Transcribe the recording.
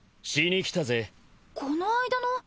この間の。